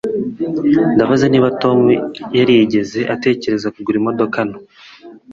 Ndabaza niba Tom yarigeze atekereza kugura imodoka nto